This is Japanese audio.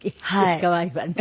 可愛いわね。